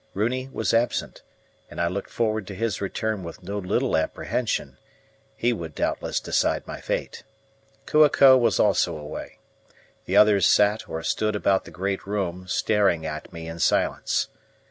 Runi was absent, and I looked forward to his return with no little apprehension; he would doubtless decide my fate. Kua ko was also away. The others sat or stood about the great room, staring at me in silence.